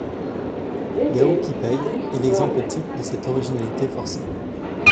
Gao Qipei est l'exemple type de cette originalité forcée.